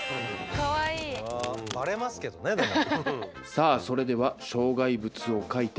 「さあそれでは障害物を描いて。